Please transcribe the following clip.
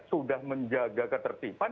sudah menjaga ketertiban